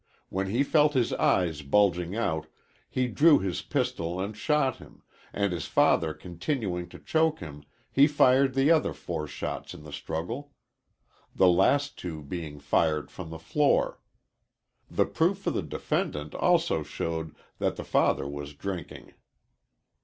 When he felt his eyes bulging out, he drew his pistol and shot him, and his father continuing to choke him, he fired the other four shots in the struggle; the last two being fired from the floor. The proof for the defendant also showed that the father was drinking.